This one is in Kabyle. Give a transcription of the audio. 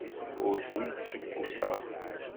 Ur ten-id-ssukkuseɣ.